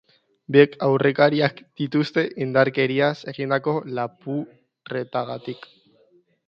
Biek aurrekariak dituzte indarkeriaz egindako lapurretengatik.